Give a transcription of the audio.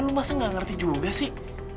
lu masa gak ngerti juga sih